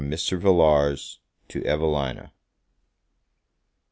MR. VILLARS TO EVELINA.